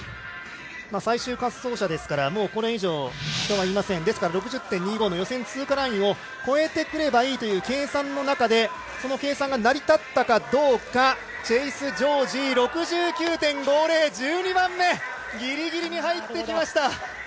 最終滑走者ですからこれ以上、人はいませんですから６０．２５の予選通過ラインを超えてくればいいという計算の中で、その計算が成り立ったかどうかチェイス・ジョージー６９．５２１２番目ギリギリに入ってきました。